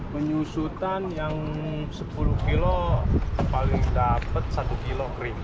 penyusutan yang sepuluh kg paling dapat satu kg krim